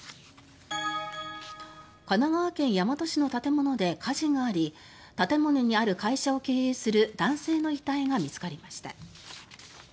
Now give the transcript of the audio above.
神奈川県大和市の建物で火事があり建物にある会社を経営する男性の遺体が見つかりました。